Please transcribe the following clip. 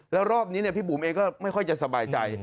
แล้วรอบนี้พี่บุ๋มเองก็ไม่ค่อยจะสบายใจ